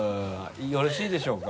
よろしいでしょうか？